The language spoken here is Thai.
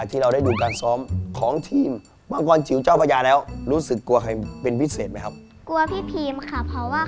ผมถือว่าแผนของพวกเราแน่นมากพูดได้อีกคำเดียวเลยว่า